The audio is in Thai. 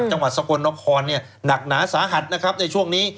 จังหวัดสกลนครเนี่ยหนักหนาสาหัสนะครับในช่วงนี้